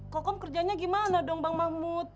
kokom kerjanya gimana dong bang mahmud